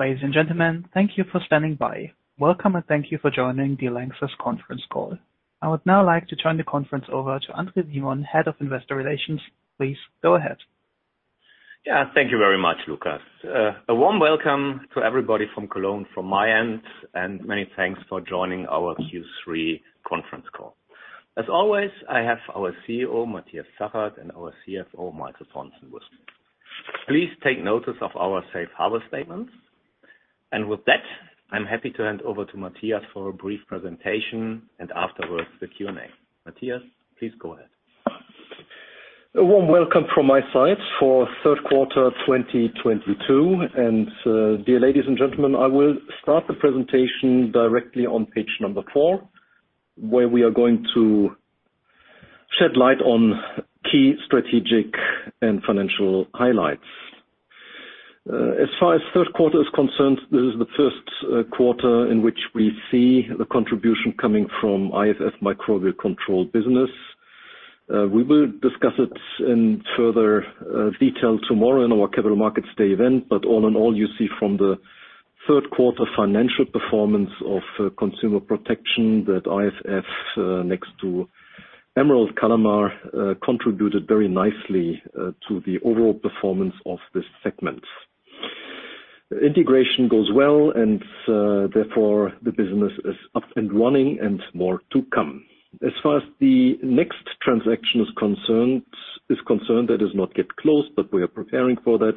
Ladies and gentlemen, thank you for standing by. Welcome, and thank you for joining the Lanxess conference call. I would now like to turn the conference over to André Simon, Head of Investor Relations. Please go ahead. Yeah. Thank you very much, Lucas. A warm welcome to everybody from Cologne from my end, and many thanks for joining our Q3 Conference Call. As always, I have our CEO, Matthias Zachert, and our CFO, Michael Pontzen. Please take notice of our safe harbor statements. With that, I'm happy to hand over to Matthias for a brief presentation, and afterwards the Q&A. Matthias, please go ahead. A warm welcome from my side for third quarter 2022. Dear ladies and gentlemen, I will start the presentation directly on page number four, where we are going to shed light on key strategic and financial highlights. As far as third quarter is concerned, this is the first quarter in which we see the contribution coming from IFF Microbial Control business. We will discuss it in further detail tomorrow in our Capital Markets Day event. All in all, you see from the third quarter financial performance of Consumer Protection that IFF, next to Emerald Kalama Chemical, contributed very nicely to the overall performance of this segment. Integration goes well and therefore, the business is up and running and more to come. As far as the next transaction is concerned, that has not yet closed, but we are preparing for that.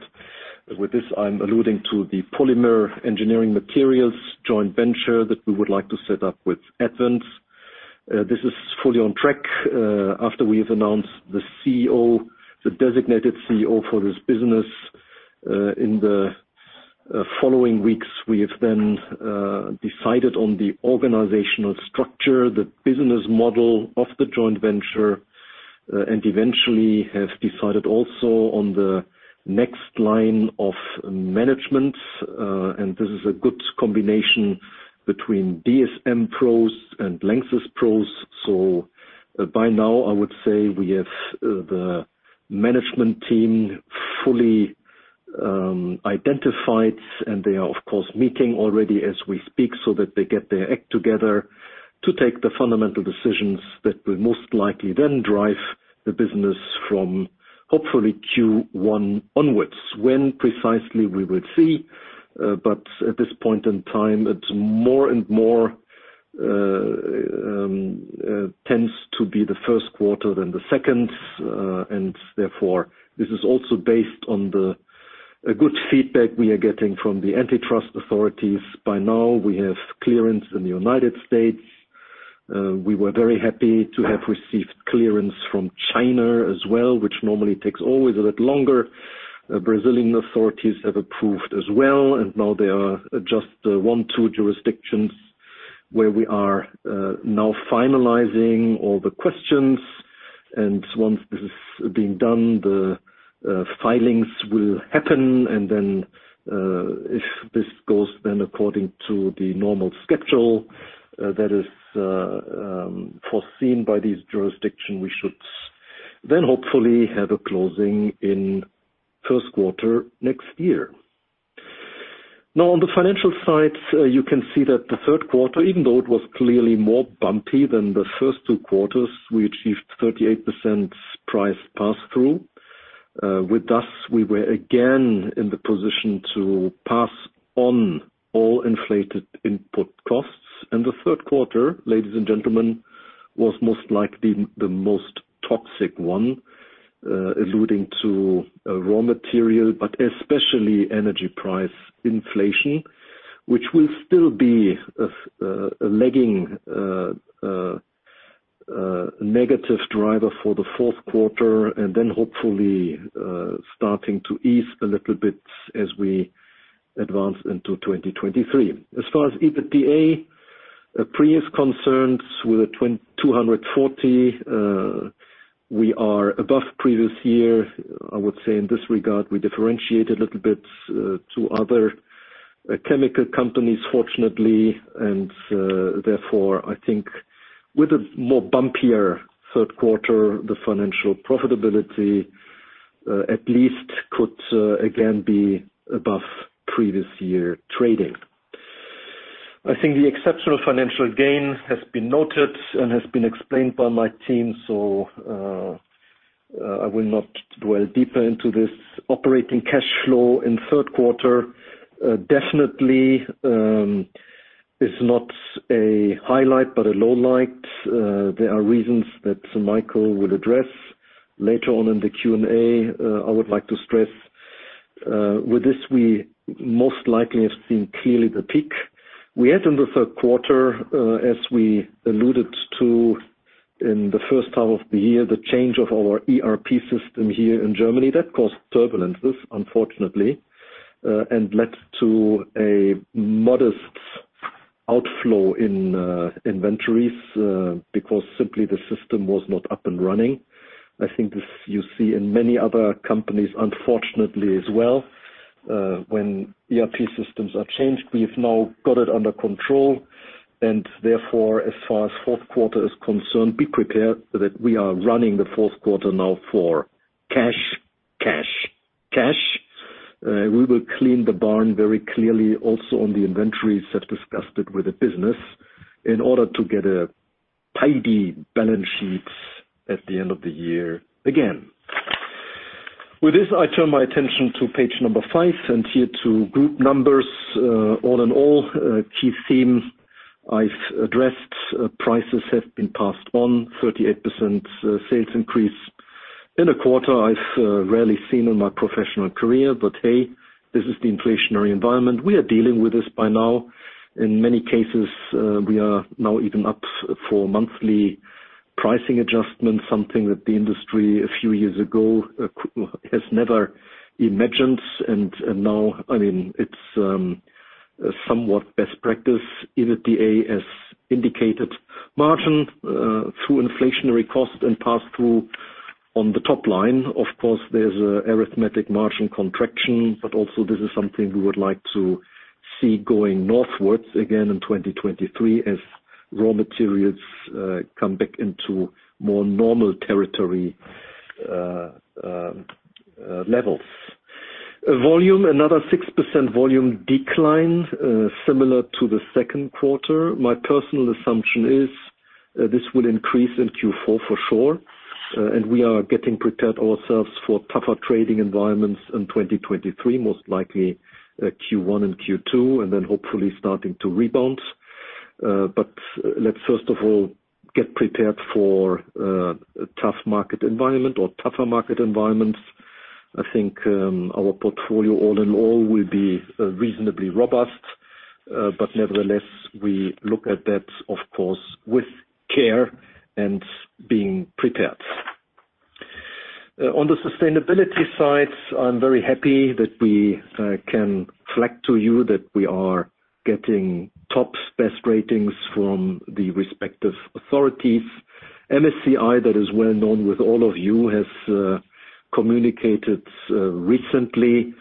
With this, I'm alluding to the High-Performance Engineering Polymers joint venture that we would like to set up with Advent. This is fully on track. After we have announced the CEO, the designated CEO for this business, in the following weeks, we have then decided on the organizational structure, the business model of the joint venture, and eventually have decided also on the next line of management. This is a good combination between DSM pros and Lanxess pros. By now, I would say we have the management team fully identified, and they are of course meeting already as we speak so that they get their act together to take the fundamental decisions that will most likely then drive the business from hopefully Q1 onwards. When precisely we will see, but at this point in time, it's more and more tends to be the first quarter than the second. Therefore, this is also based on a good feedback we are getting from the antitrust authorities. By now, we have clearance in the United States. We were very happy to have received clearance from China as well, which normally takes always a bit longer. The Brazilian authorities have approved as well, and now there are just one, two jurisdictions where we are now finalizing all the questions. Once this is being done, the filings will happen. If this goes according to the normal schedule that is foreseen by these jurisdictions, we should then hopefully have a closing in first quarter next year. Now, on the financial side, you can see that the third quarter, even though it was clearly more bumpy than the first two quarters, we achieved 38% price pass-through. With that, we were again in the position to pass on all inflated input costs. The third quarter, ladies and gentlemen, was most likely the most toxic one, alluding to a raw material, but especially energy price inflation, which will still be a lagging, a negative driver for the fourth quarter and then hopefully, starting to ease a little bit as we advance into 2023. As far as EBITDA, previous concerns with 240, we are above previous year. I would say in this regard, we differentiate a little bit to other chemical companies, fortunately. Therefore, I think with a more bumpier third quarter, the financial profitability at least could again be above previous year trading. I think the exceptional financial gain has been noted and has been explained by my team, so I will not dwell deeper into this operating cash flow in third quarter. Definitely is not a highlight but a low light. There are reasons that Michael will address later on in the Q&A. I would like to stress with this, we most likely have seen clearly the peak. We had in the third quarter, as we alluded to in the first half of the year, the change of our ERP system here in Germany. That caused turbulence, unfortunately, and led to a modest outflow in inventories, because simply the system was not up and running. I think this you see in many other companies, unfortunately as well. When ERP systems are changed, we've now got it under control. Therefore, as far as fourth quarter is concerned, be prepared so that we are running the fourth quarter now for cash, cash. We will clean the barn very clearly also on the inventories. I've discussed it with the business in order to get a tidy balance sheets at the end of the year again. With this, I turn my attention to page five, and here to group numbers. All in all, a key theme I've addressed. Prices have been passed on 38%, sales increase. In a quarter I've rarely seen in my professional career, but hey, this is the inflationary environment. We are dealing with this by now. In many cases, we are now even up for monthly pricing adjustments, something that the industry a few years ago has never imagined. Now, I mean, it's a somewhat best practice, EBITDA as indicated. Margin through inflationary cost and pass-through on the top line. Of course, there's a arithmetic margin contraction, but also this is something we would like to see going northwards again in 2023 as raw materials come back into more normal territory, levels. A volume, another 6% volume decline, similar to the second quarter. My personal assumption is that this will increase in Q4 for sure. We are getting prepared ourselves for tougher trading environments in 2023, most likely, Q1 and Q2, and then hopefully starting to rebound. Let's first of all get prepared for a tough market environment or tougher market environments. I think our portfolio all in all will be reasonably robust. Nevertheless, we look at that, of course, with care and being prepared. On the sustainability side, I'm very happy that we can flag to you that we are getting top best ratings from the respective authorities. MSCI, that is well known with all of you, has communicated recently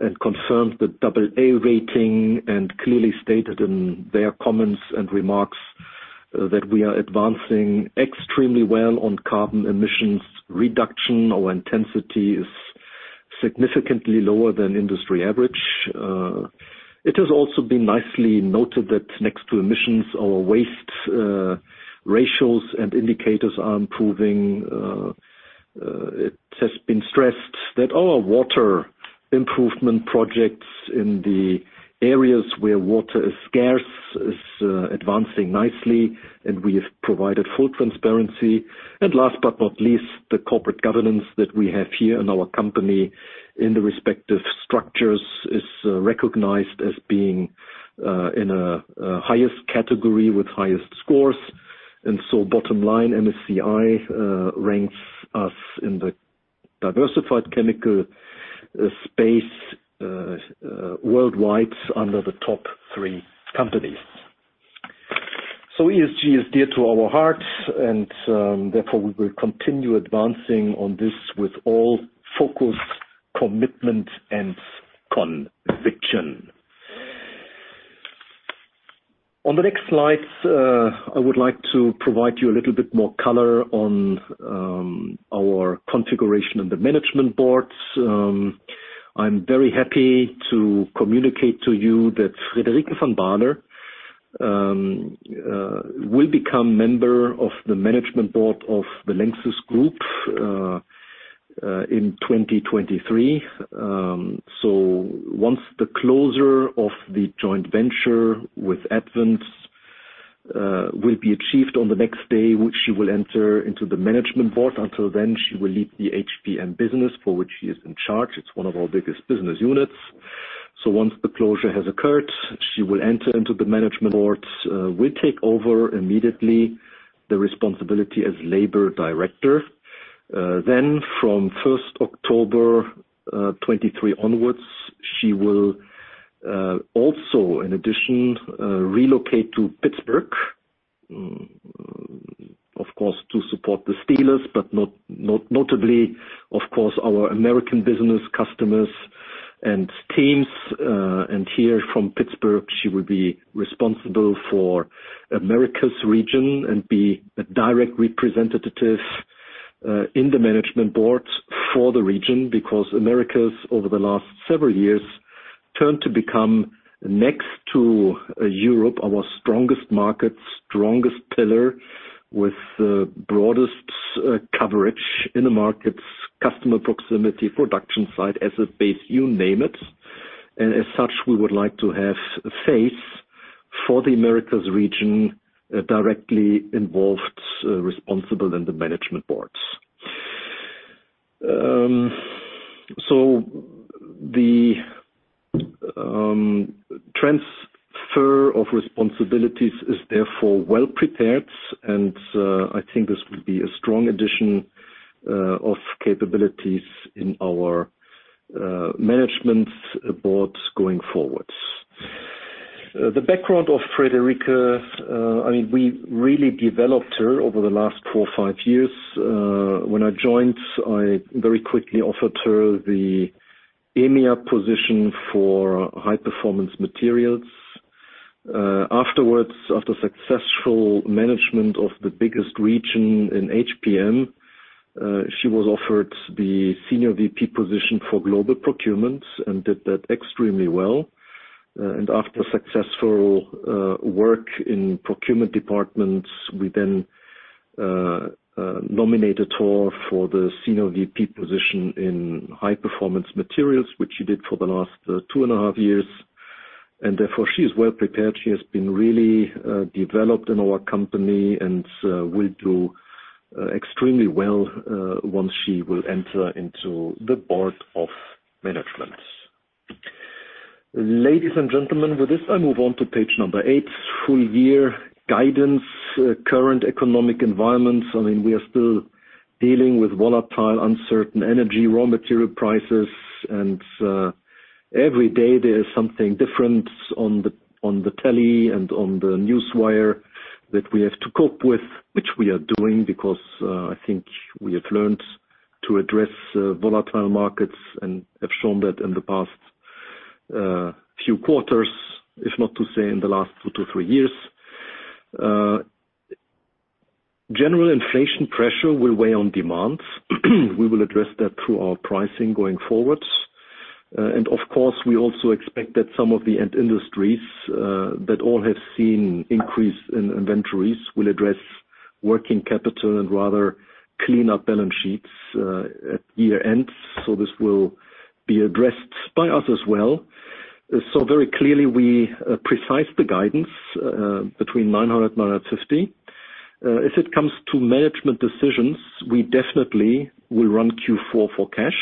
and confirmed the double A rating and clearly stated in their comments and remarks that we are advancing extremely well on carbon emissions reduction. Our intensity is significantly lower than industry average. It has also been nicely noted that next to emissions, our waste ratios and indicators are improving. It has been stressed that our water improvement projects in the areas where water is scarce is advancing nicely, and we have provided full transparency. Last but not least, the corporate governance that we have here in our company in the respective structures is recognized as being in a highest category with highest scores. Bottom line, MSCI ranks us in the diversified chemical space worldwide under the top three companies. ESG is dear to our hearts, and therefore, we will continue advancing on this with all focus, commitment, and conviction. On the next slide, I would like to provide you a little bit more color on our configuration in the management boards. I'm very happy to communicate to you that Frederique van Baarle will become member of the Management Board of the Lanxess Group in 2023. Once the closure of the joint venture with Advent will be achieved on the next day, which she will enter into the Management Board. Until then, she will lead the HPM business for which she is in charge. It's one of our biggest business units. Once the closure has occurred, she will enter into the management boards, take over immediately the responsibility as Labor Director. From first October 2023 onwards, she will also in addition relocate to Pittsburgh. Of course, to support the Steelers, but not notably, of course, our American business customers and teams. Here from Pittsburgh, she will be responsible for Americas region and be a direct representative in the Management Board for the region. Because Americas, over the last several years, turned to become next to Europe, our strongest market, strongest pillar with the broadest coverage in the markets, customer proximity, production site as a base, you name it. As such, we would like to have a face for the Americas region directly involved, responsible in the Management Boards. The transfer of responsibilities is therefore well prepared, and I think this will be a strong addition of capabilities in our Management Boards going forward. The background of Frederique van Baarle, I mean, we really developed her over the last four or five years. When I joined, I very quickly offered her the EMEA position for High Performance Materials. Afterwards, after successful management of the biggest region in HPM, she was offered the senior VP position for global procurement and did that extremely well. After successful work in procurement departments, we then nominated her for the senior VP position in High Performance Materials, which she did for the last 2.5 years. Therefore she is well prepared. She has been really developed in our company and will do extremely well once she will enter into the Board of Management. Ladies and gentlemen, with this, I move on to page 8, full year guidance, current economic environment. I mean, we are still dealing with volatile, uncertain energy, raw material prices. Every day there is something different on the telly and on the newswire that we have to cope with, which we are doing because I think we have learned to address volatile markets and have shown that in the past few quarters, if not to say in the last two-three years. General inflation pressure will weigh on demand. We will address that through our pricing going forward. Of course, we also expect that some of the end industries that all have seen increase in inventories will address working capital and rather clean up balance sheets at year-end. This will be addressed by us as well. Very clearly, we revise the guidance between 900-950. If it comes to management decisions, we definitely will run Q4 for cash.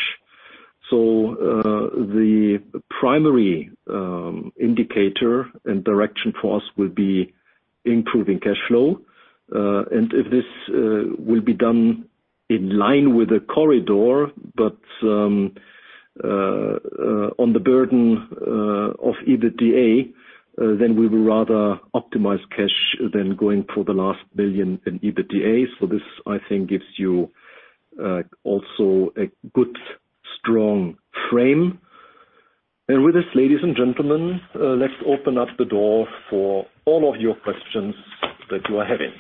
The primary indicator and direction for us will be improving cash flow. If this will be done in line with the corridor, but on the burden of EBITDA, then we will rather optimize cash than going for the last billion in EBITDA. This, I think, gives you also a good strong frame. With this, ladies and gentlemen, let's open up the door for all of your questions that you are having.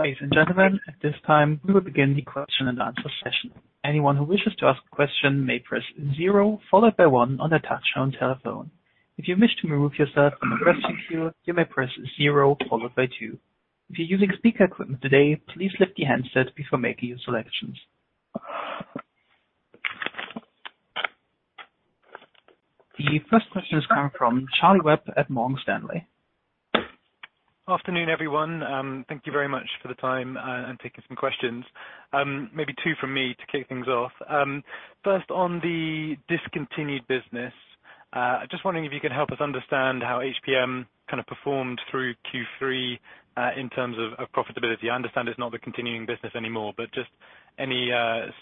Ladies and gentlemen, at this time, we will begin the question and answer session. Anyone who wishes to ask a question may press zero followed by one on their touch-tone telephone. If you wish to remove yourself from the question queue, you may press zero followed by two. If you're using speaker equipment today, please lift the handset before making your selections. The first question is coming from Charlie Webb at Morgan Stanley. Afternoon, everyone. Thank you very much for the time and taking some questions. Maybe two from me to kick things off. First on the discontinued business, just wondering if you could help us understand how HPM kind of performed through Q3, in terms of profitability. I understand it's not the continuing business anymore, but just any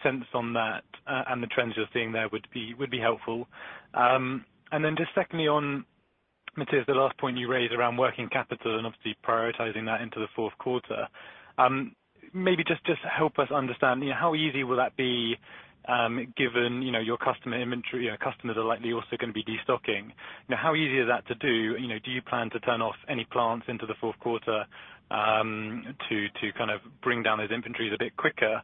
sense on that, and the trends you're seeing there would be helpful. Just secondly on, Matthias, the last point you raised around working capital and obviously prioritizing that into the fourth quarter. Maybe just help us understand, how easy will that be, given, you know, your customers are likely also gonna be destocking. Now, how easy is that to do? You know, do you plan to turn off any plants into the fourth quarter, to kind of bring down those inventories a bit quicker?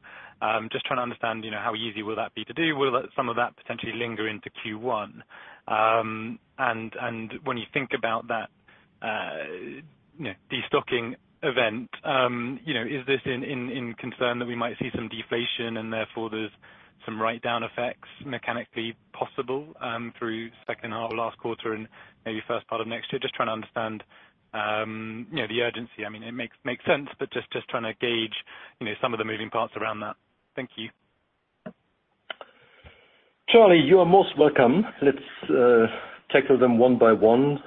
Just trying to understand, you know, how easy will that be to do? Will some of that potentially linger into Q1? When you think about that, you know, destocking event, you know, is this in concern that we might see some deflation and therefore there's some write-down effects mechanically possible, through second half of last quarter and maybe first part of next year? Just trying to understand, you know, the urgency. I mean, it makes sense, but just trying to gauge, you know, some of the moving parts around that. Thank you. Charlie, you are most welcome. Let's tackle them one by one.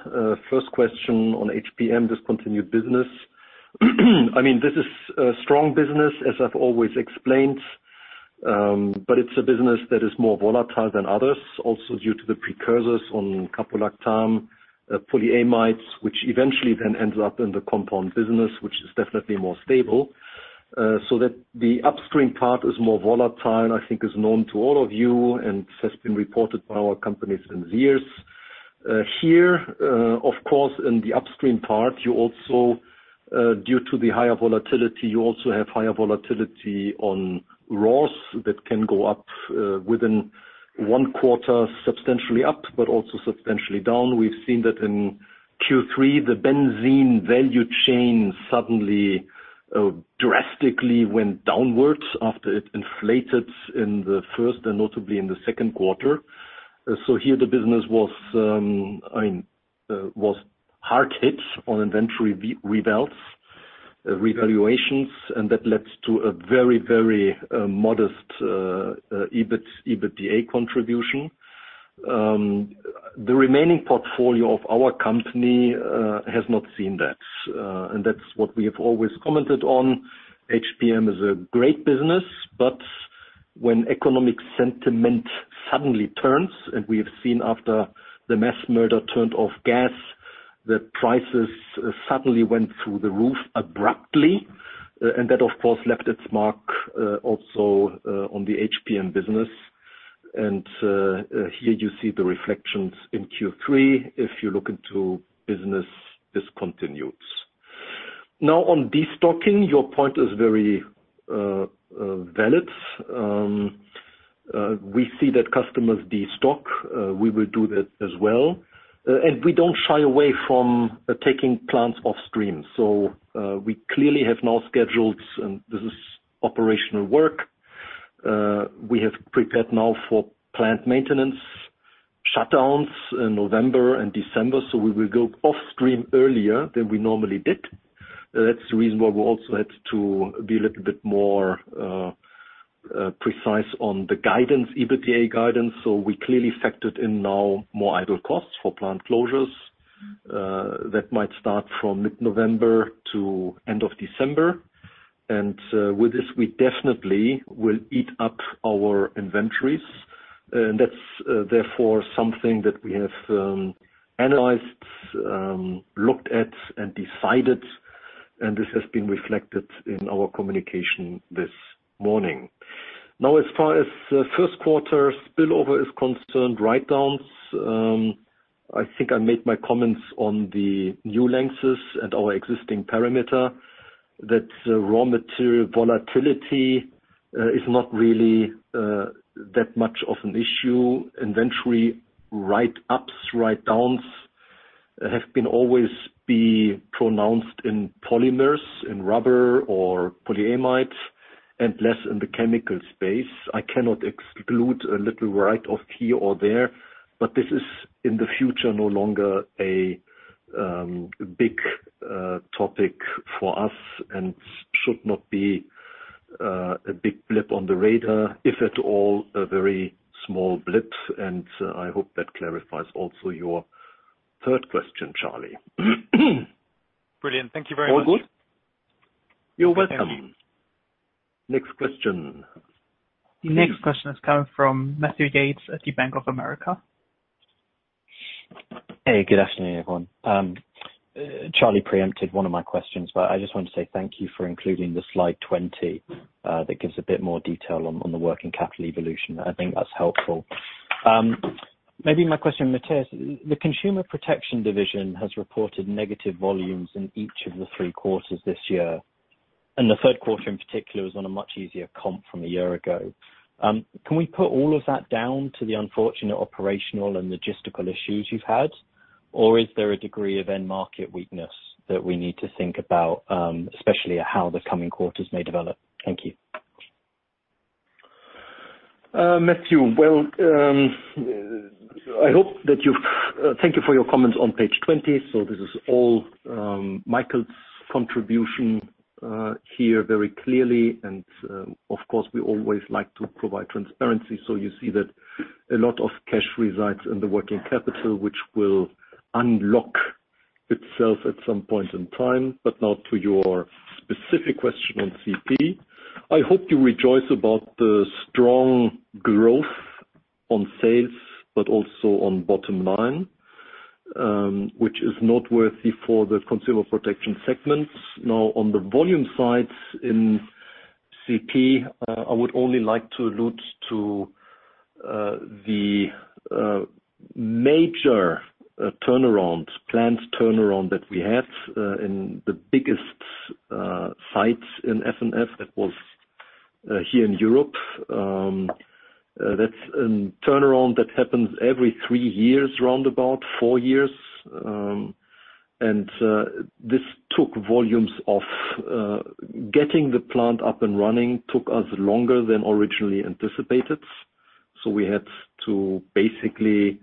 First question on HPM discontinued business. I mean, this is a strong business, as I've always explained, but it's a business that is more volatile than others, also due to the precursors on caprolactam, polyamides, which eventually then ends up in the compound business, which is definitely more stable. That the upstream part is more volatile, and I think is known to all of you and has been reported by our companies in the years. Here, of course, in the upstream part, you also, due to the higher volatility, you also have higher volatility on raws that can go up, within one quarter, substantially up, but also substantially down. We've seen that in Q3, the benzene value chain suddenly drastically went downwards after it inflated in the first and notably in the second quarter. Here the business was, I mean, was hard hit on inventory revaluations, and that led to a very modest EBITDA contribution. The remaining portfolio of our company has not seen that, and that's what we have always commented on. HPM is a great business, but when economic sentiment suddenly turns, and we have seen after the mass murder turned off gas, the prices suddenly went through the roof abruptly. That, of course, left its mark also on the HPM business. Here you see the reflections in Q3 if you look into business discontinuations. Now on destocking, your point is very valid. We see that customers destock. We will do that as well. We don't shy away from taking plants off stream. We clearly have now scheduled, and this is operational work. We have prepared now for plant maintenance shutdowns in November and December, so we will go off stream earlier than we normally did. That's the reason why we also had to be a little bit more precise on the guidance, EBITDA guidance. We clearly factored in now more idle costs for plant closures that might start from mid-November to end of December. With this, we definitely will eat up our inventories. That's therefore something that we have analyzed, looked at and decided, and this has been reflected in our communication this morning. Now, as far as first quarter spillover is concerned, write-downs, I think I made my comments on the new lengths and our existing parameter. That raw material volatility is not really that much of an issue. Inventory write-ups, write-downs have always been pronounced in polymers, in rubber or polyamides, and less in the chemical space. I cannot exclude a little write-off here or there, but this is in the future no longer a big topic for us and should not be a big blip on the radar, if at all, a very small blip. I hope that clarifies also your third question, Charlie. Brilliant. Thank you very much. All good? You're welcome. Next question. The next question is coming from Matthew Yates at Bank of America. Hey, good afternoon, everyone. Charlie preempted one of my questions, but I just want to say thank you for including the slide 20, that gives a bit more detail on the working capital evolution. I think that's helpful. Maybe my question, Matthias, the Consumer Protection Division has reported negative volumes in each of the three quarters this year, and the third quarter in particular was on a much easier comp from a year ago. Can we put all of that down to the unfortunate operational and logistical issues you've had? Or is there a degree of end market weakness that we need to think about, especially how the coming quarters may develop? Thank you. Matthew, well, thank you for your comments on page 20. This is all, Michael's contribution, here very clearly. Of course, we always like to provide transparency. You see that a lot of cash resides in the working capital, which will unlock itself at some point in time. Now to your specific question on CP. I hope you rejoice about the strong growth on sales, but also on bottom line, which is noteworthy for the Consumer Protection segments. Now, on the volume side in CP, I would only like to allude to the major turnaround, planned turnaround that we have in the biggest sites in F&F. That was here in Europe. That's a turnaround that happens every three years, round about four years. This took volumes off getting the plant up and running took us longer than originally anticipated. We had to basically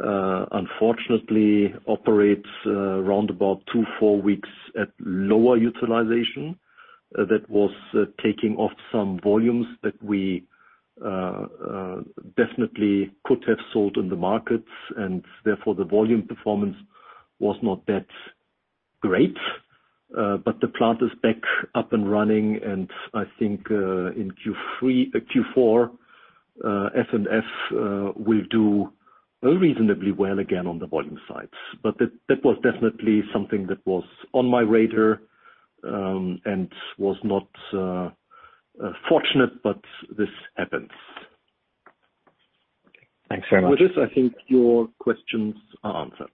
unfortunately operate around about two-four weeks at lower utilization. That was taking off some volumes that we definitely could have sold in the markets, and therefore, the volume performance was not that great. The plant is back up and running, and I think in Q3, Q4, F&F will do reasonably well again on the volume side. That was definitely something that was on my radar and was not fortunate, but this happens. Thanks very much. With this, I think your questions are answered.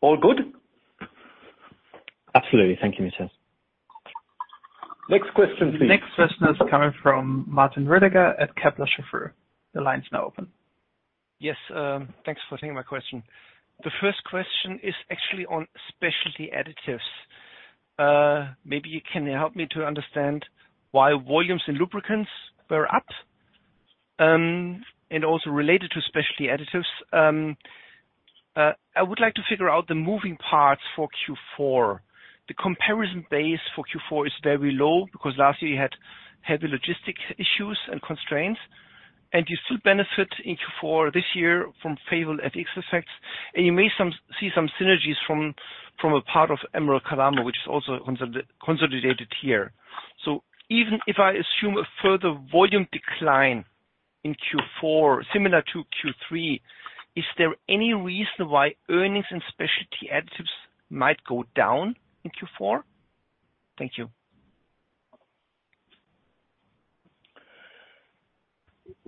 All good? Absolutely. Thank you, Matthias. Next question, please. The next question is coming from Martin Rödiger at Kepler Cheuvreux. The line is now open. Yes. Thanks for taking my question. The first question is actually on specialty additives. Maybe you can help me to understand why volumes and lubricants were up. And also related to specialty additives. I would like to figure out the moving parts for Q4. The comparison base for Q4 is very low because last year you had the logistic issues and constraints, and you still benefit in Q4 for this year from favorable FX effects, and you may see some synergies from a part of Emerald Kalama, which is also consolidated here. Even if I assume a further volume decline in Q4 similar to Q3, is there any reason why earnings and specialty additives might go down in Q4? Thank you.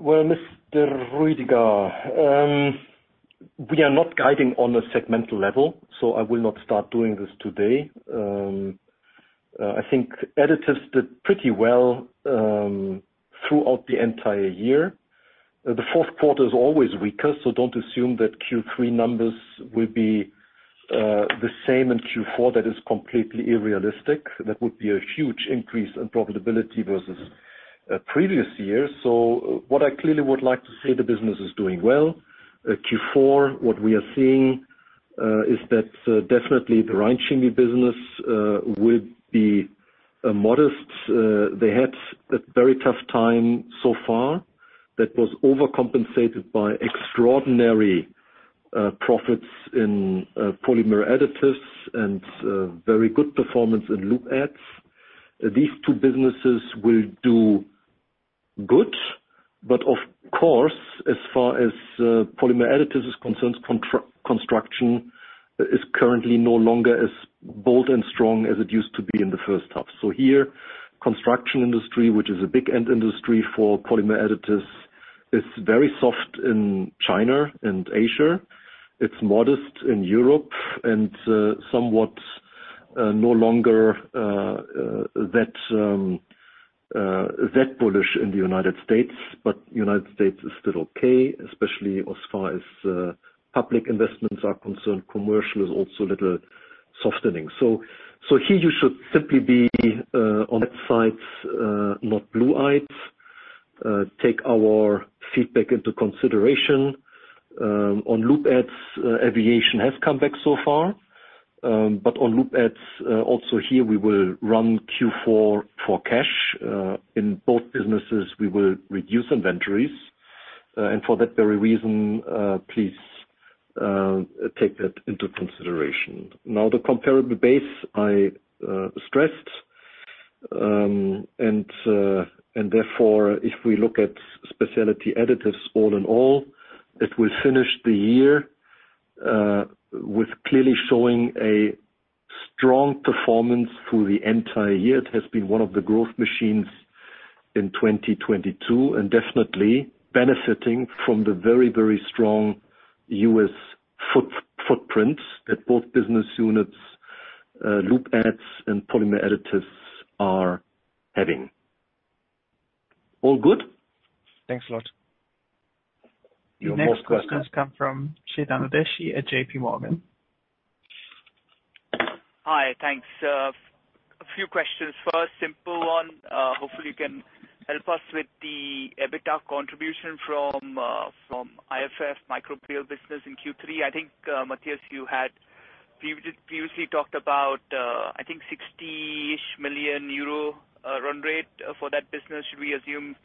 Well, Mr. Rödiger, we are not guiding on a segmental level, so I will not start doing this today. I think additives did pretty well throughout the entire year. The fourth quarter is always weaker, so don't assume that Q3 numbers will be the same in Q4. That is completely unrealistic. That would be a huge increase in profitability versus previous years. What I clearly would like to say, the business is doing well. Q4, what we are seeing is that definitely the Rhein Chemie business will be modest. They had a very tough time so far that was overcompensated by extraordinary profits in polymer additives and very good performance in lubricant additives. These two businesses will do well, but of course, as far as Polymer Additives is concerned, construction is currently no longer as bold and strong as it used to be in the first half. Here, construction industry, which is a big end industry for Polymer Additives, is very soft in China and Asia. It's modest in Europe and somewhat no longer that bullish in the United States, but United States is still okay, especially as far as public investments are concerned. Commercial is also a little softening. Here you should simply be on that side not blue-eyed. Take our feedback into consideration. On Lub Adds, aviation has come back so far. On Lub Adds, also here we will run Q4 for cash. In both businesses, we will reduce inventories. For that very reason, please take that into consideration. Now, the comparable base I stressed, and therefore, if we look at Specialty Additives all in all, it will finish the year with clearly showing a strong performance through the entire year. It has been one of the growth machines in 2022 and definitely benefiting from the very, very strong U.S. footprints that both business units, Lub Adds and Polymer Additives are having. All good? Thanks a lot. You are most welcome. The next questions come from Chetan Udeshi at JPMorgan. Hi, thanks. A few questions. First, simple one. Hopefully, you can help us with the EBITDA contribution from IFF Microbial Control business in Q3. I think, Matthias, you had previously talked about, I think 60-ish million euro run rate for that business. Should we assume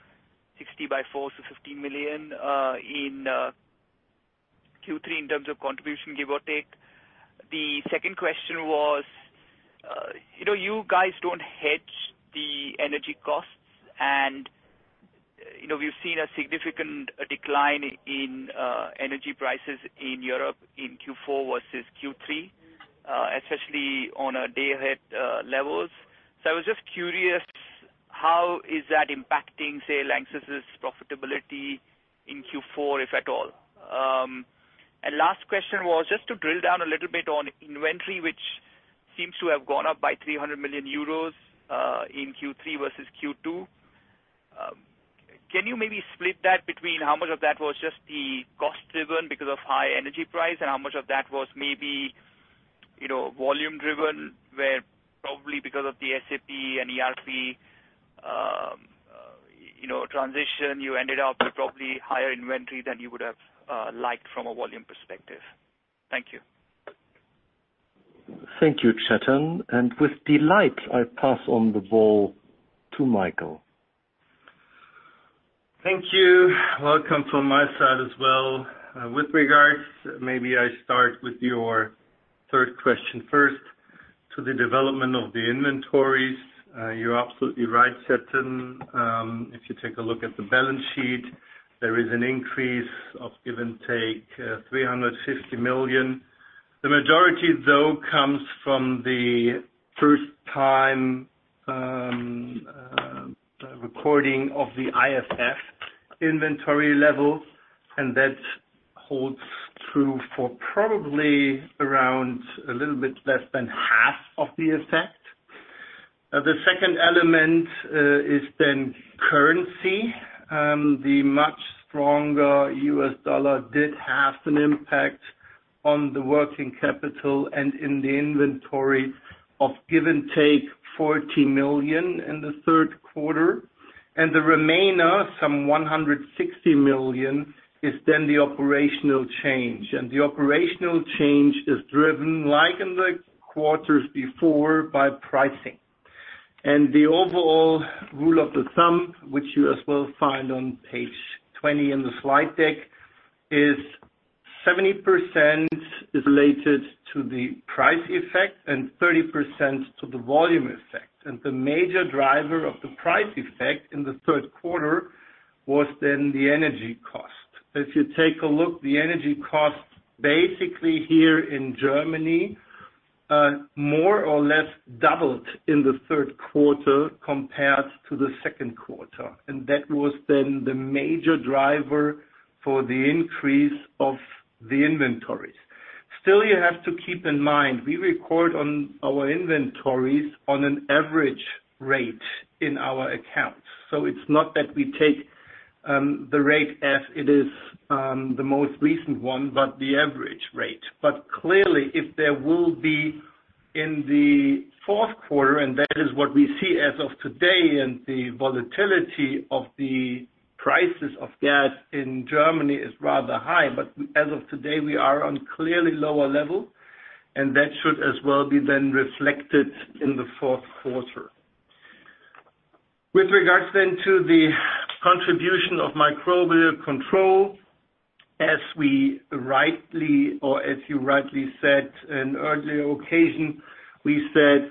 60/4, so 50 million in Q3 in terms of contribution, give or take? The second question was, you know, you guys don't hedge the energy costs and, you know, we've seen a significant decline in energy prices in Europe in Q4 versus Q3, especially on a day-ahead levels. So I was just curious, how is that impacting, say, Lanxess' profitability in Q4, if at all? Last question was just to drill down a little bit on inventory, which seems to have gone up by 300 million euros in Q3 versus Q2. Can you maybe split that between how much of that was just the cost-driven because of high energy price, and how much of that was maybe, you know, volume-driven, where probably because of the SAP and ERP, you know, transition, you ended up with probably higher inventory than you would have liked from a volume perspective. Thank you. Thank you, Chetan. With delight, I pass on the ball to Michael. Thank you. Welcome from my side as well. With regards, maybe I start with your third question first to the development of the inventories. You're absolutely right, Chetan. If you take a look at the balance sheet, there is an increase of give or take 350 million. The majority, though, comes from the first time recording of the IFF inventory level, and that holds true for probably around a little bit less than half of the effect. The second element is then currency. The much stronger US dollar did have an impact on the working capital and in the inventory of give or take 40 million in the third quarter. The remainder, some 160 million, is then the operational change. The operational change is driven, like in the quarters before, by pricing. The overall rule of the thumb, which you as well find on page 20 in the slide deck, is 70% is related to the price effect and 30% to the volume effect. The major driver of the price effect in the third quarter was then the energy cost. If you take a look, the energy cost basically here in Germany, more or less doubled in the third quarter compared to the second quarter, and that was then the major driver for the increase of the inventories. Still, you have to keep in mind we record on our inventories on an average rate in our accounts. It's not that we take, the rate as it is, the most recent one, but the average rate. Clearly, if there will be in the fourth quarter, and that is what we see as of today, and the volatility of the prices of gas in Germany is rather high. As of today, we are on clearly lower level, and that should as well be then reflected in the fourth quarter. With regards then to the contribution of Microbial Control, as you rightly said in earlier occasion, we said,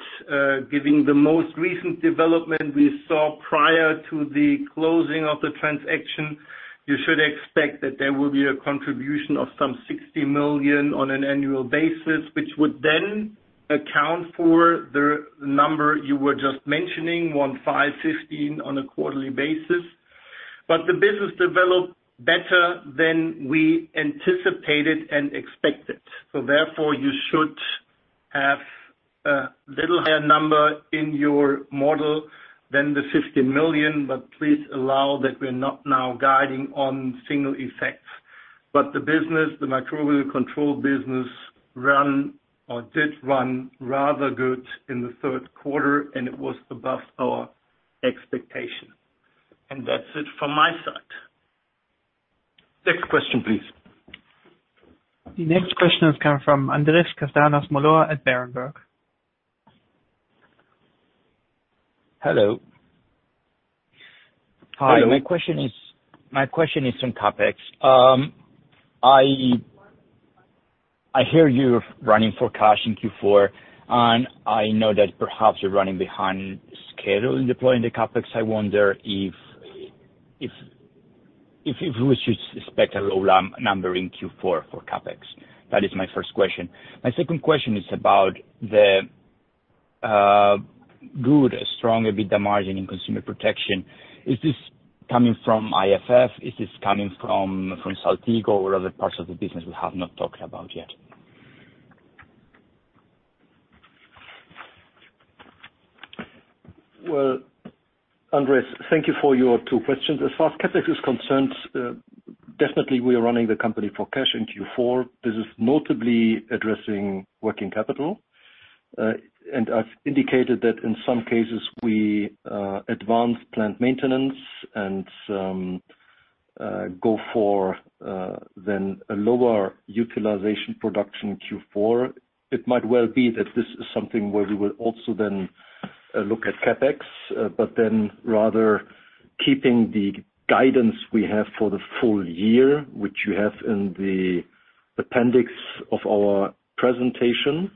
given the most recent development we saw prior to the closing of the transaction, you should expect that there will be a contribution of some 60 million on an annual basis, which would then account for the number you were just mentioning, 15, on a quarterly basis. The business developed better than we anticipated and expected. Therefore, you should have a little higher number in your model than the 50 million, but please allow that we're not now guiding on single effects. The business, the Microbial Control business run or did run rather good in the third quarter, and it was above our expectation. That's it from my side. Next question, please. The next question has come from Andrés Castanos-Mollor at Berenberg. Hello. Hi. My question is on CapEx. I hear you're running low on cash in Q4, and I know that perhaps you're running behind schedule in deploying the CapEx. I wonder if we should expect a low number in Q4 for CapEx. That is my first question. My second question is about the good, strong EBITDA margin in Consumer Protection. Is this coming from IFF? Is this coming from Saltigo or other parts of the business we have not talked about yet? Well, Andrés, thank you for your two questions. As far as CapEx is concerned, definitely we are running the company for cash in Q4. This is notably addressing working capital. I've indicated that in some cases we advance plant maintenance and go for then a lower utilization production Q4. It might well be that this is something where we will also then look at CapEx, but then rather keeping the guidance we have for the full year, which you have in the appendix of our presentation.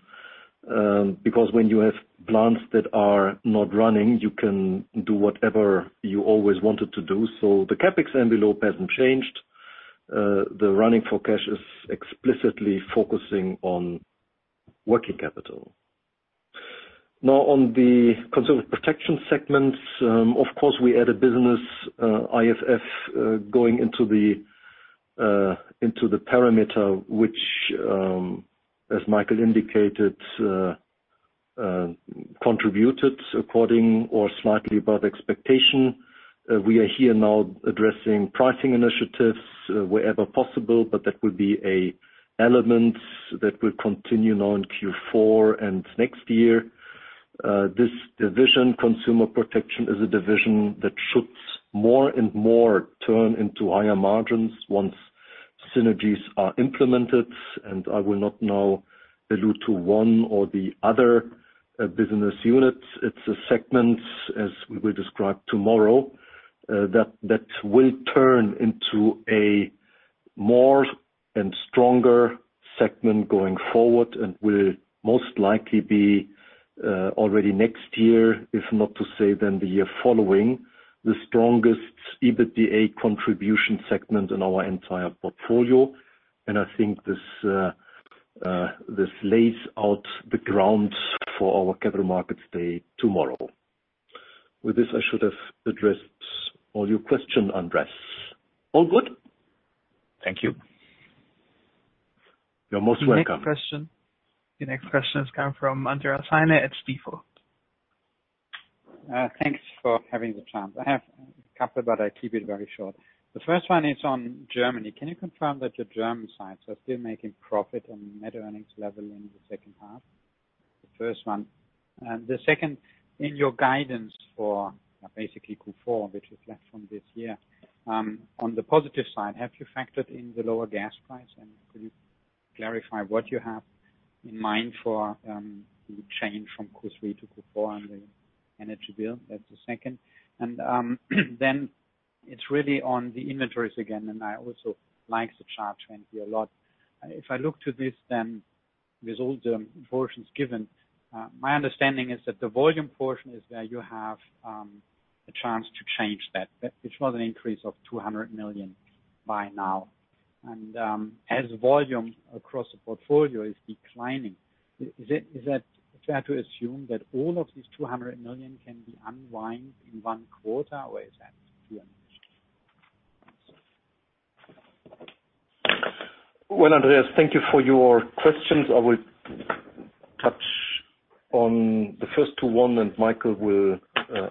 Because when you have plants that are not running, you can do whatever you always wanted to do. The CapEx envelope hasn't changed. The running for cash is explicitly focusing on working capital. Now, on the Consumer Protection segment, of course, we add a business, IFF, going into the perimeter, which, as Michael indicated, contributed according to or slightly above expectation. We are here now addressing pricing initiatives wherever possible, but that will be an element that will continue now in Q4 and next year. This division, Consumer Protection, is a division that should more and more turn into higher margins once synergies are implemented. I will not now allude to one or the other business units. It's a segment, as we will describe tomorrow, that will turn into a more and stronger segment going forward and will most likely be, already next year, if not to say then the year following, the strongest EBITDA contribution segment in our entire portfolio. I think this lays out the ground for our Capital Markets Day tomorrow. With this, I should have addressed all your question, Andrés. All good? Thank you. You're most welcome. Next question. The next question is coming from Andreas Heine at Stifel. Thanks for having the chance. I have a couple, but I keep it very short. The first one is on Germany. Can you confirm that your German sites are still making profit on net earnings level in the second half? The first one. The second, in your guidance for basically Q4, which is left from this year, on the positive side, have you factored in the lower gas price, and clarify what you have in mind for the change from Q3 to Q4 on the energy bill. That's the second. Then it's really on the inventories again, and I also like the chart 20 a lot. If I look to this, then with all the portions given, my understanding is that the volume portion is where you have a chance to change that. It was an increase of 200 million by now. As volume across the portfolio is declining, is that fair to assume that all of these 200 million can be unwind in one quarter, or is that Well, Andreas, thank you for your questions. I will touch on the first two, and Michael will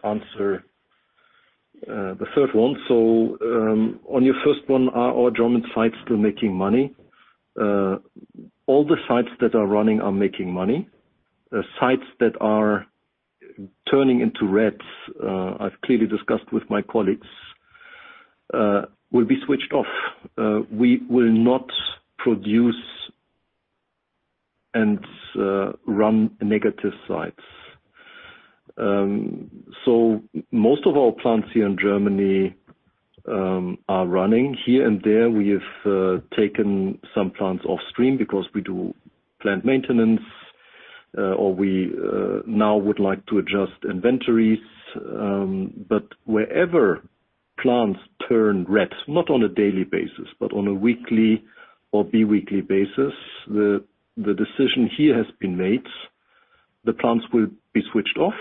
answer the third one. On your first one, are our German sites still making money? All the sites that are running are making money. The sites that are turning into the red, I've clearly discussed with my colleagues, will be switched off. We will not produce and run negative sites. Most of our plants here in Germany are running. Here and there, we have taken some plants off stream because we do plant maintenance or we now would like to adjust inventories. Wherever plants turn red, not on a daily basis, but on a weekly or bi-weekly basis, the decision here has been made. The plants will be switched off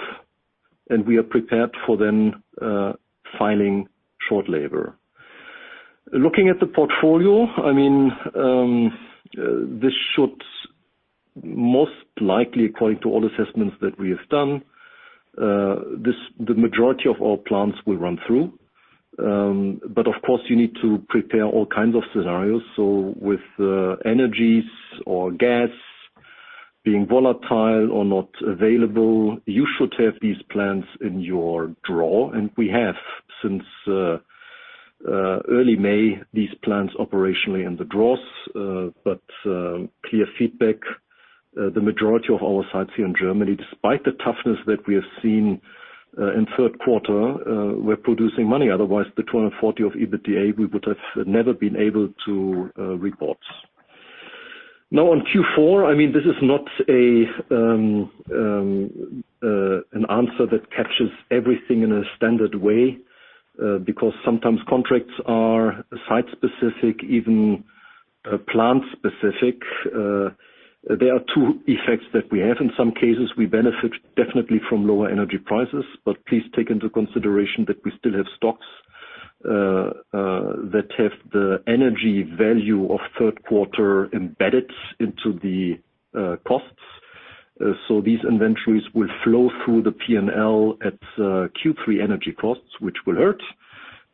and we are prepared for short labor. Looking at the portfolio, I mean, this should most likely, according to all assessments that we have done, the majority of our plants will run through. Of course, you need to prepare all kinds of scenarios. With energy or gas being volatile or not available, you should have these plans in your drawer. We have since early May these plans operationally in the drawer, but clear feedback. The majority of our sites here in Germany, despite the toughness that we have seen in third quarter, we're producing money. Otherwise, the 240 million of EBITDA, we would have never been able to report. Now on Q4, I mean, this is not an answer that captures everything in a standard way, because sometimes contracts are site-specific, even plant-specific. There are two effects that we have. In some cases, we benefit definitely from lower energy prices, but please take into consideration that we still have stocks that have the energy value of third quarter embedded into the costs. These inventories will flow through the P&L at Q3 energy costs, which will hurt.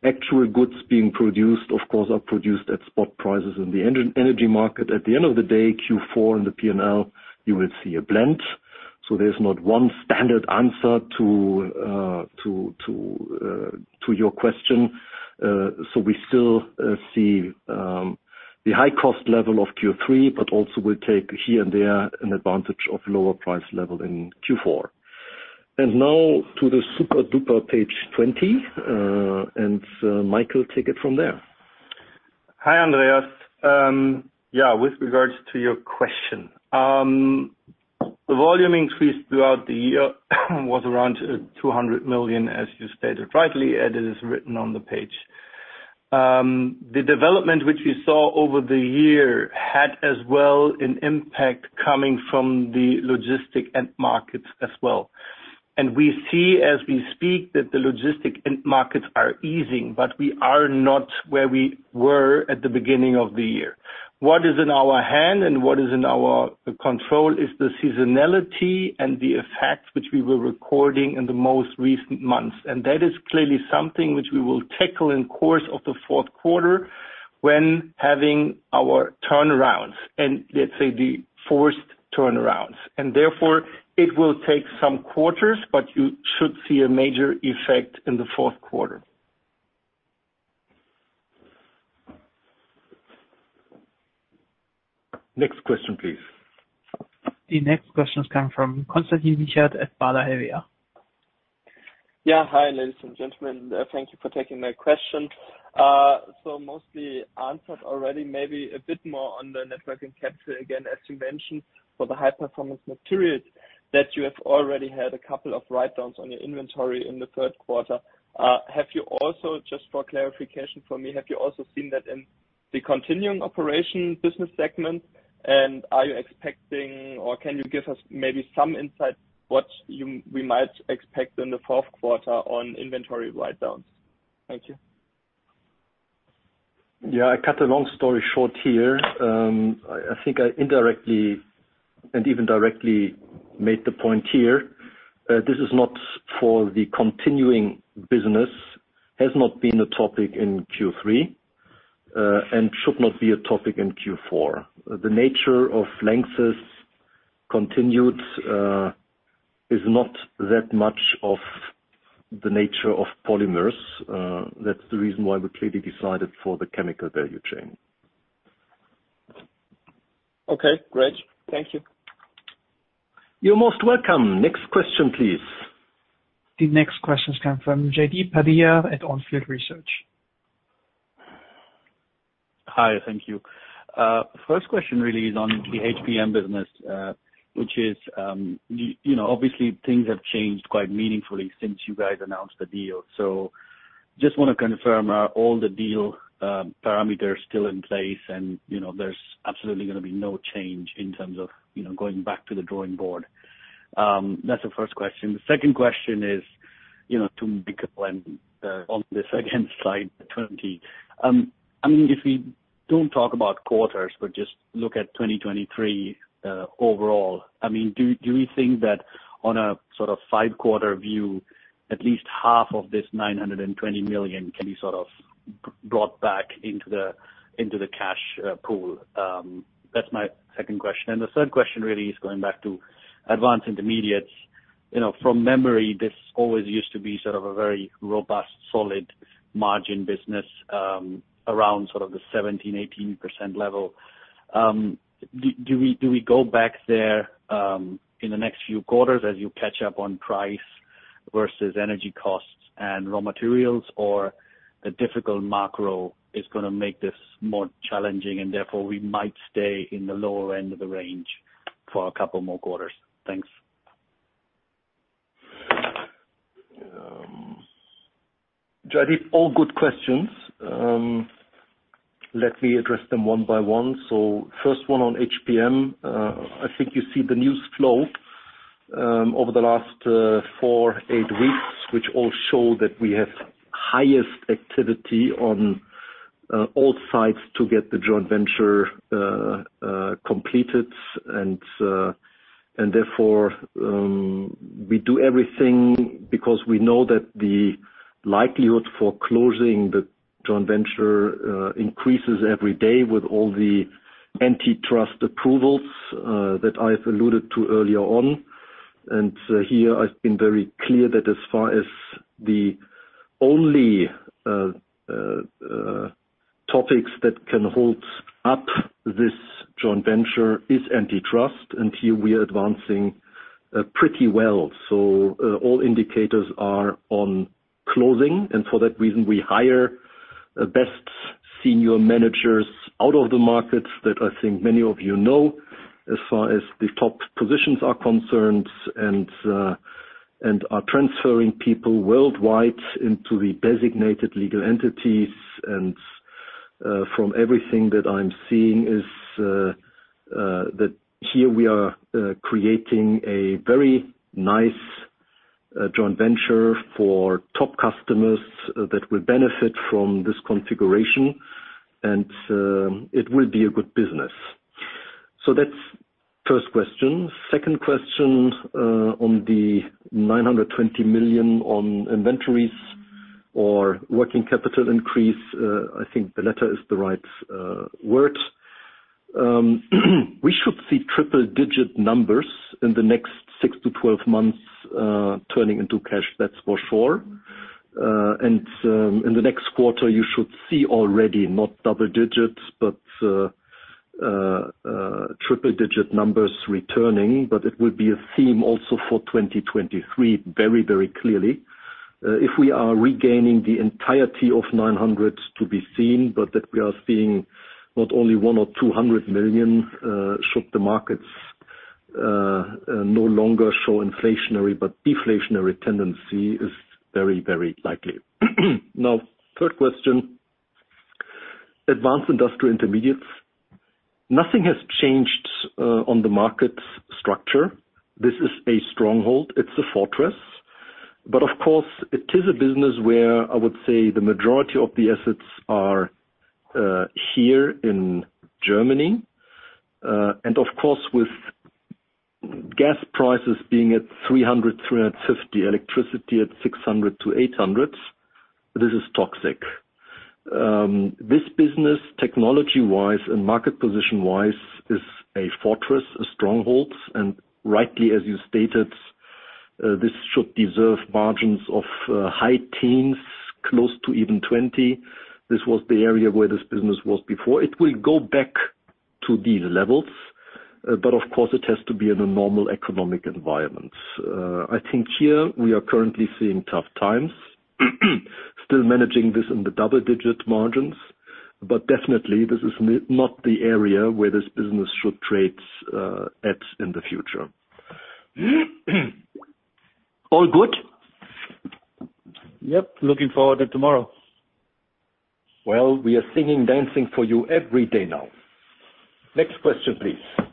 Actual goods being produced, of course, are produced at spot prices in the energy market. At the end of the day, Q4 in the P&L, you will see a blend. There's not one standard answer to your question. We still see the high cost level of Q3, but also will take here and there an advantage of lower price level in Q4. Now to the super-duper page 20. Michael, take it from there. Hi, Andreas. Yeah, with regards to your question. The volume increase throughout the year was around 200 million, as you stated rightly, and it is written on the page. The development which we saw over the year had as well an impact coming from the logistic end markets as well. We see as we speak that the logistic end markets are easing, but we are not where we were at the beginning of the year. What is in our hand and what is in our control is the seasonality and the effect which we were recording in the most recent months. That is clearly something which we will tackle in course of the fourth quarter when having our turnarounds, and let's say the forced turnarounds. Therefore, it will take some quarters, but you should see a major effect in the fourth quarter. Next question, please. The next question is coming from Constantin Rigaud at Baader Helvea. Yeah. Hi, ladies and gentlemen. Thank you for taking my question. Mostly answered already, maybe a bit more on the working capital. Again, as you mentioned, for the High Performance Materials that you have already had a couple of write-downs on your inventory in the third quarter. Have you also, just for clarification for me, seen that in the continuing operations business segment? Are you expecting, or can you give us maybe some insight what you might expect in the fourth quarter on inventory write-downs? Thank you. Yeah, I cut a long story short here. I think I indirectly and even directly made the point here. This is not for the continuing business, has not been a topic in Q3, and should not be a topic in Q4. The nature of Lanxess is. Is not that much of the nature of polymers. That's the reason why we clearly decided for the chemical value chain. Okay, great. Thank you. You're most welcome. Next question, please. The next questions come from Jaideep Pandya at On Field Investment Research. Hi. Thank you. First question really is on the HPM business, which is, you know, obviously things have changed quite meaningfully since you guys announced the deal. Just wanna confirm, are all the deal parameters still in place and, you know, there's absolutely gonna be no change in terms of, you know, going back to the drawing board? That's the first question. The second question is, you know, to Michael and on the second slide twenty. I mean, if we don't talk about quarters, but just look at 2023 overall. I mean, do we think that on a sort of five-quarter view, at least half of this 920 million can be sort of brought back into the cash pool? That's my second question. The third question really is going back to Advanced Intermediates. You know, from memory, this always used to be sort of a very robust, solid margin business, around 17%-18% level. Do we go back there in the next few quarters as you catch up on price versus energy costs and raw materials or the difficult macro is gonna make this more challenging, and therefore we might stay in the lower end of the range for a couple more quarters? Thanks. Jaideep, all good questions. Let me address them one by one. First one on HPM. I think you see the news flow over the last 4-8 weeks, which all show that we have highest activity on all sides to get the joint venture completed. Therefore, we do everything because we know that the likelihood for closing the joint venture increases every day with all the antitrust approvals that I've alluded to earlier on. Here I've been very clear that as far as the only topics that can hold up this joint venture is antitrust, and here we are advancing pretty well. All indicators are on closing, and for that reason, we hire the best senior managers out of the markets that I think many of you know, as far as the top positions are concerned, and are transferring people worldwide into the designated legal entities. From everything that I'm seeing, that here we are creating a very nice joint venture for top customers that will benefit from this configuration, and it will be a good business. That's first question. Second question, on the 920 million on inventories or working capital increase. I think the latter is the right word. We should see triple-digit numbers in the next six-12 months, turning into cash, that's for sure. In the next quarter, you should see already not double digits, but triple-digit numbers returning. It will be a theme also for 2023, very, very clearly. If we are regaining the entirety of 900 to be seen, but that we are seeing not only 100 or 200 million, should the markets no longer show inflationary, but deflationary tendency is very, very likely. Now, third question. Advanced Intermediates. Nothing has changed on the market structure. This is a stronghold. It's a fortress. Of course, it is a business where I would say the majority of the assets are here in Germany. With gas prices being at 300-350, electricity at 600-800, this is toxic. This business, technology-wise and market position-wise, is a fortress, a stronghold. Rightly, as you stated, this should deserve margins of high teens, close to even 20. This was the area where this business was before. It will go back to these levels, but of course, it has to be in a normal economic environment. I think here we are currently seeing tough times. Still managing this in the double-digit margins, but definitely this is not the area where this business should trade at in the future. All good? Yep. Looking forward to tomorrow. Well, we are singing, dancing for you every day now. Next question, please.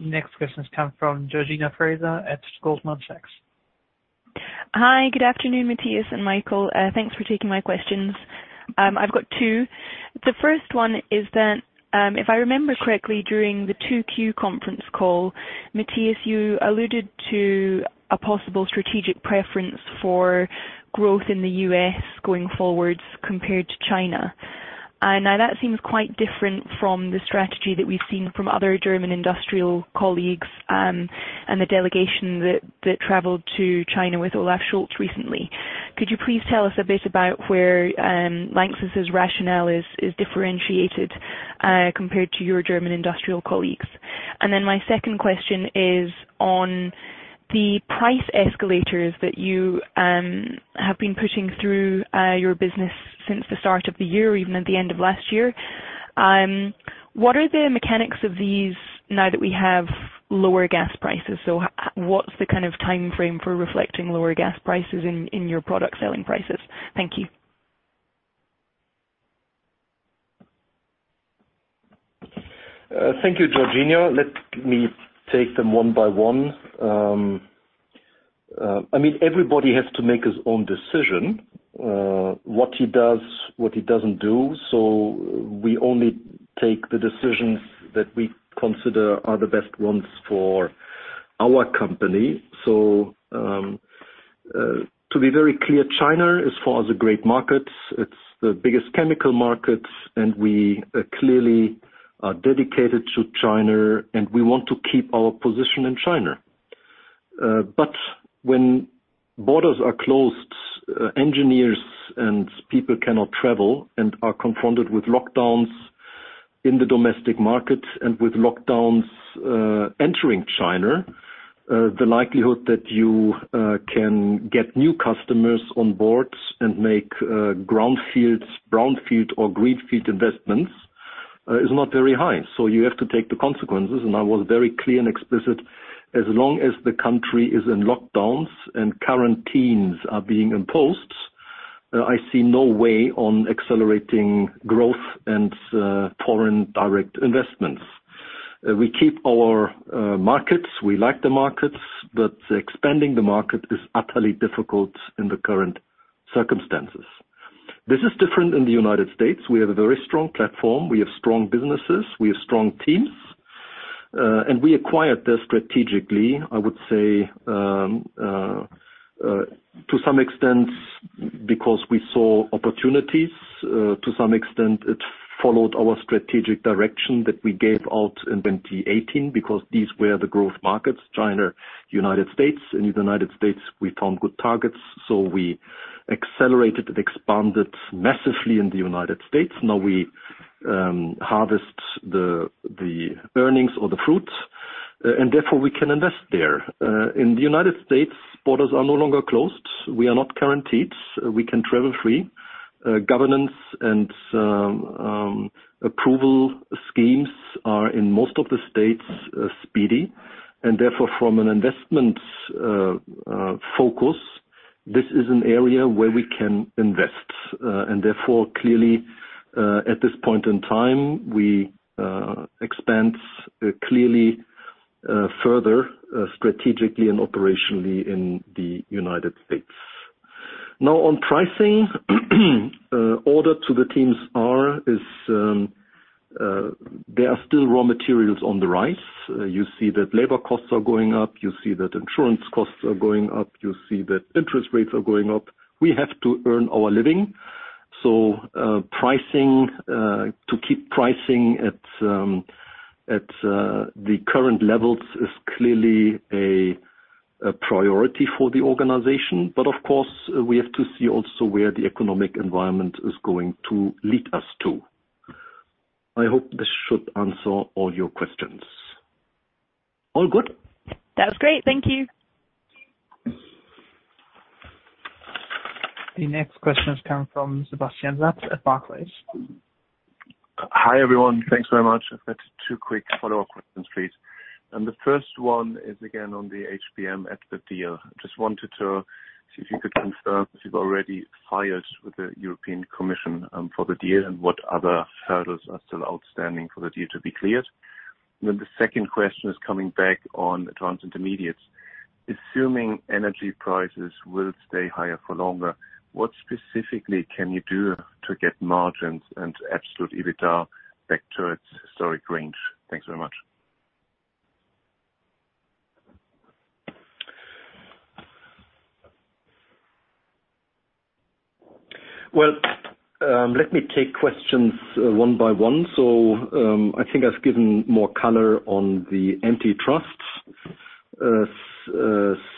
Next question comes from Georgina Fraser at Goldman Sachs. Hi. Good afternoon, Matthias and Michael. Thanks for taking my questions. I've got two. The first one is that, if I remember correctly, during the 2Q conference call, Matthias, you alluded to a possible strategic preference for growth in the U.S. going forward compared to China. Now that seems quite different from the strategy that we've seen from other German industrial colleagues, and the delegation that traveled to China with Olaf Scholz recently. Could you please tell us a bit about where Lanxess' rationale is differentiated compared to your German industrial colleagues? Then my second question is on the price escalators that you have been pushing through your business since the start of the year or even at the end of last year. What are the mechanics of these now that we have lower gas prices? What's the kind of timeframe for reflecting lower gas prices in your product selling prices? Thank you. Thank you, Georgina. Let me take them one by one. I mean, everybody has to make his own decision, what he does, what he doesn't do. We only take the decisions that we consider are the best ones for our company. To be very clear, China is for us a great market. It's the biggest chemical market, and we clearly are dedicated to China, and we want to keep our position in China. When borders are closed, engineers and people cannot travel and are confronted with lockdowns in the domestic market and with lockdowns entering China, the likelihood that you can get new customers on board and make groundfields, brownfield or greenfield investments is not very high. You have to take the consequences. I was very clear and explicit. As long as the country is in lockdowns and quarantines are being imposed, I see no way of accelerating growth and foreign direct investments. We keep our markets. We like the markets, but expanding the market is utterly difficult in the current circumstances. This is different in the United States. We have a very strong platform. We have strong businesses. We have strong teams. We acquired this strategically, I would say, to some extent because we saw opportunities. To some extent it followed our strategic direction that we gave out in 2018 because these were the growth markets, China, United States. In the United States, we found good targets, so we accelerated and expanded massively in the United States. Now we harvest the earnings or the fruits, and therefore, we can invest there. In the United States, borders are no longer closed. We are not quarantined. We can travel free. Governance and approval schemes are in most of the states speedy. Therefore, from an investment focus, this is an area where we can invest. Therefore, clearly, at this point in time, we expand clearly further strategically and operationally in the United States. Now on pricing, there are still raw materials on the rise. You see that labor costs are going up. You see that insurance costs are going up. You see that interest rates are going up. We have to earn our living. Pricing to keep pricing at the current levels is clearly a priority for the organization. Of course, we have to see also where the economic environment is going to lead us to. I hope this should answer all your questions. All good? That was great. Thank you. The next question is coming from Sebastian Satz at Barclays. Hi, everyone. Thanks very much. I've got two quick follow-up questions, please. The first one is again on the HPM at the deal. Just wanted to see if you could confirm if you've already filed with the European Commission for the deal and what other hurdles are still outstanding for the deal to be cleared. The second question is coming back on Advanced Intermediates. Assuming energy prices will stay higher for longer, what specifically can you do to get margins and absolute EBITDA back to its historic range? Thanks very much. Well, let me take questions one by one. I think I've given more color on the antitrust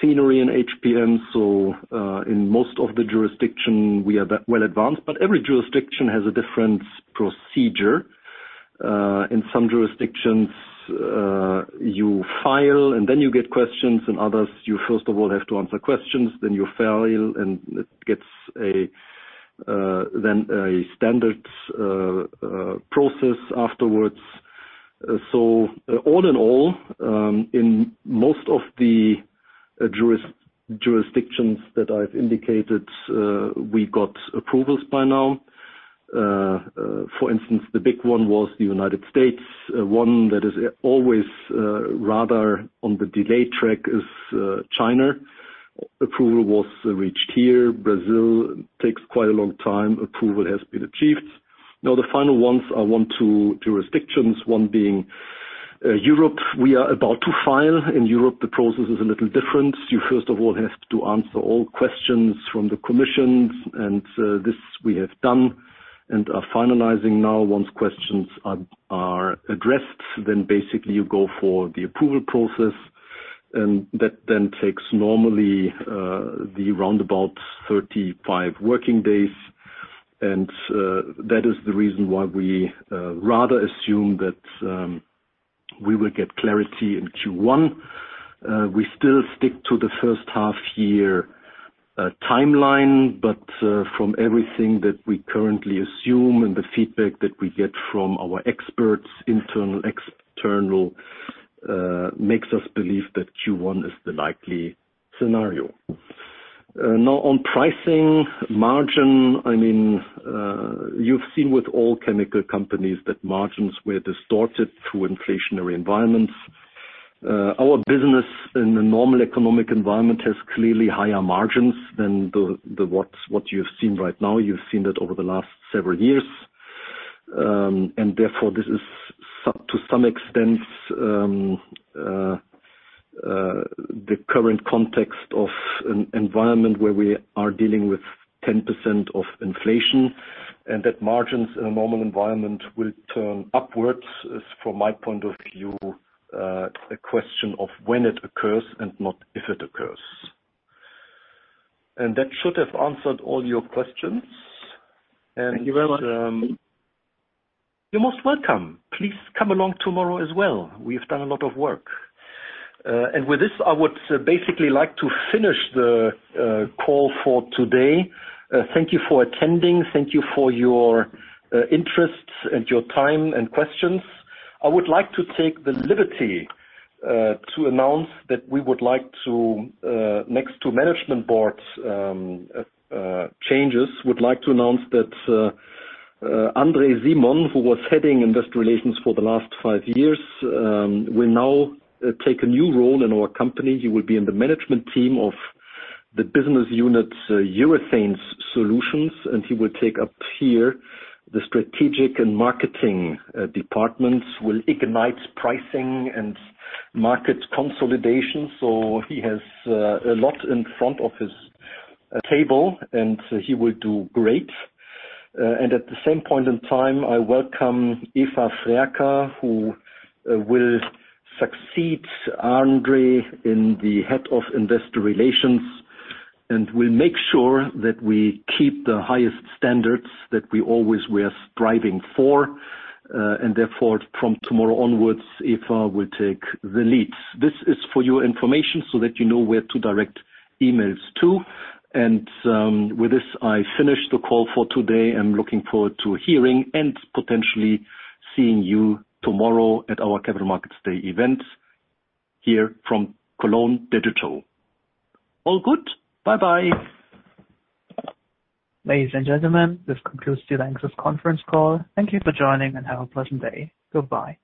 scenario in HPM. In most of the jurisdictions we are well advanced, but every jurisdiction has a different procedure. In some jurisdictions, you file and then you get questions, and others you first of all have to answer questions, then you file, and then it gets a standard process afterwards. All in all, in most of the jurisdictions that I've indicated, we got approvals by now. For instance, the big one was the United States. One that is always rather on the delay track is China. Approval was reached here. Brazil takes quite a long time. Approval has been achieved. Now the final ones are one, two jurisdictions, one being Europe, we are about to file. In Europe, the process is a little different. You first of all have to answer all questions from the Commission and this we have done and are finalizing now. Once questions are addressed, then basically you go for the approval process and that then takes normally the round about 35 working days. That is the reason why we rather assume that we will get clarity in Q1. We still stick to the first half year timeline, but from everything that we currently assume and the feedback that we get from our experts, internal, external, makes us believe that Q1 is the likely scenario. Now on pricing margin, I mean, you've seen with all chemical companies that margins were distorted through inflationary environments. Our business in a normal economic environment has clearly higher margins than the what you've seen right now. You've seen that over the last several years. Therefore, this is to some extent the current context of an environment where we are dealing with 10% of inflation and that margins in a normal environment will turn upwards is, from my point of view, a question of when it occurs and not if it occurs. That should have answered all your questions. Thank you very much. You're most welcome. Please come along tomorrow as well. We've done a lot of work. With this, I would basically like to finish the call for today. Thank you for attending. Thank you for your interests and your time and questions. I would like to take the liberty to announce that, next to management board changes, André Simon, who was heading investor relations for the last five years, will now take a new role in our company. He will be in the management team of the business unit Urethane Systems, and he will take up here the strategic and marketing departments. Will lead pricing and market consolidation. He has a lot on his plate, and he will do great. At the same point in time, I welcome Eva Frerker, who will succeed André Simon in the head of investor relations and will make sure that we keep the highest standards that we always were striving for. Therefore, from tomorrow onwards, Eva will take the lead. This is for your information so that you know where to direct emails to. With this, I finish the call for today and looking forward to hearing and potentially seeing you tomorrow at our Capital Markets Day event here from Cologne digitally. All good. Bye-bye. Ladies and gentlemen, this concludes today's access conference call. Thank you for joining, and have a pleasant day. Goodbye.